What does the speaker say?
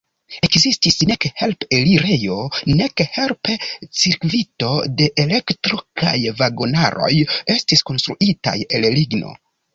Ekzistis nek help-elirejo, nek help-cirkvito de elektro kaj vagonaroj estis konstruitaj el ligno.